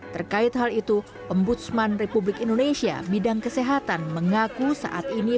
terkait hal itu ombudsman republik indonesia bidang kesehatan mengaku saat ini